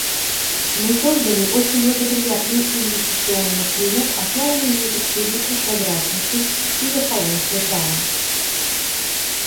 Мы создали очень благоприятный инвестиционный климат, основанный на эффективности, прозрачности и верховенстве права.